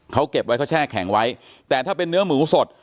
เขาเก็บไว้เขาแช่แข็งไว้แต่ถ้าเป็นเนื้อหมูสด